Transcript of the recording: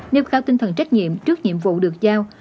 niêm khảo tinh thần trách nhiệm trước nhiệm vụ được giao